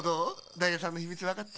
ダイヤさんのひみつわかった？